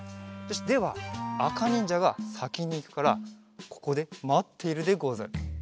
ではあかにんじゃがさきにいくからここでまっているでござる。